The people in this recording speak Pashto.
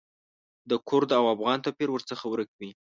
د کرد او افغان توپیر ورڅخه ورک وي.